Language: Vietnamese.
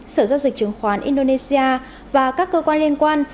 sở giao dịch chứng khoán indonesia và các cơ quan liên quan